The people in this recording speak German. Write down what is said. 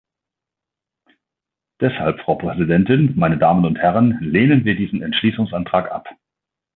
Deshalb, Frau Präsidentin, meine Damen und Herren, lehnen wir diesen Entschließungsantrag ab.